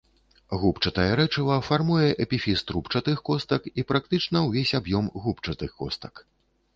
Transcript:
Губчатае рэчыва фармуе эпіфіз трубчастых костак і практычна ўвесь аб'ём губчатых костак.